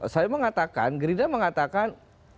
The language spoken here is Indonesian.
saya mengatakan gerinda mengatakan